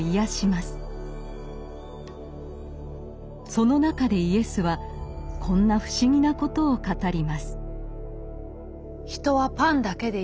その中でイエスはこんな不思議なことを語ります。